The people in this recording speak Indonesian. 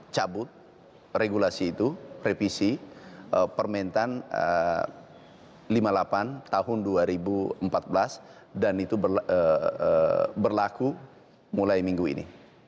cabut regulasi itu revisi permentan lima puluh delapan tahun dua ribu empat belas dan itu berlaku mulai minggu ini